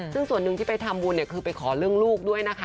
ซึ่งส่วนหนึ่งที่ไปทำบุญเนี่ยคือไปขอเรื่องลูกด้วยนะคะ